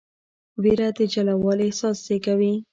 ویره د جلاوالي احساس زېږوي.